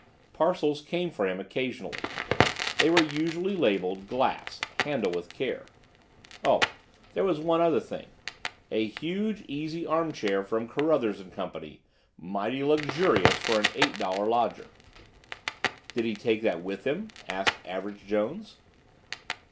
Parcels came for him occasionally. These were usually labeled "Glass. Handle with care." Oh! there was one other thing. A huge, easy arm chair from Carruthers and Company, mighty luxurious for an eight dollar lodger. "Did he take that with him?" asked Average Jones.